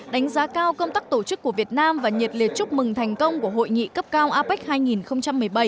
đánh giá cao công tác tổ chức của việt nam và nhiệt liệt chúc mừng thành công của hội nghị cấp cao apec hai nghìn một mươi bảy